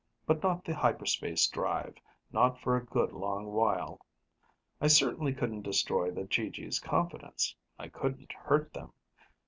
But not the hyperspace drive, not for a good long while. I certainly couldn't destroy the GG's confidence. I couldn't hurt them.